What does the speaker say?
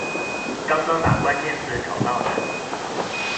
剛剛打關鍵字找到的